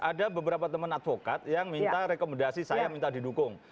ada beberapa teman advokat yang minta rekomendasi saya minta didukung